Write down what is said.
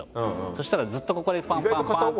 そしたらずっとここでパンパンパン。